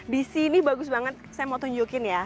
di sini bagus banget saya mau tunjukin ya